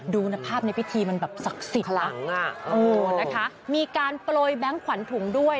ดูนะภาพในพิธีมันแบบศักดิ์สิทธิ์นะคะมีการโปรยแบงค์ขวัญถุงด้วย